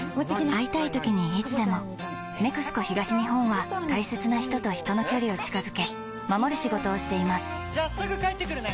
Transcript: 会いたいときにいつでも「ＮＥＸＣＯ東日本」は大切な人と人の距離を近づけ守る仕事をしていますじゃあすぐ帰ってくるね！